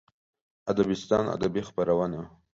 ادبستان ادبي خپرونه